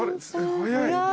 早い。